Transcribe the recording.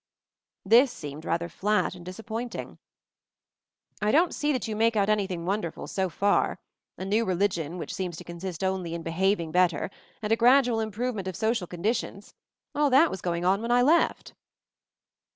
This seemed rather flat and disappointing. "I don't see that you make out anything wonderful — so far. A new Religion which seems to consist only in behaving better ; and a gradual improvement of social conditions — all that was going on when I left."